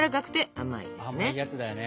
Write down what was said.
甘いやつだよね。